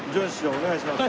お願いします。